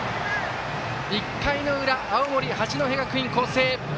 １回の裏、青森、八戸学院光星。